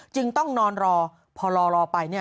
จึงต้องนอนรอพอรอไป